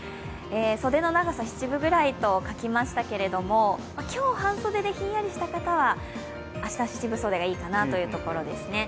袖の長さ、七分ぐらいと書きましたけれども、今日半袖でひんやりした方は、明日七分袖がいいかないうところですね。